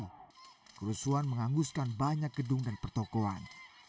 kepada soeharto kerusuhan mengangguskan banyak gedung dan pertokoan